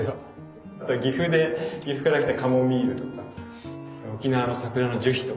あと岐阜から来たカモミールとか沖縄の桜の樹皮とか。